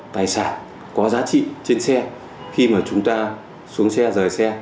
tài sản có giá trị trên xe khi mà chúng ta xuống xe rời xe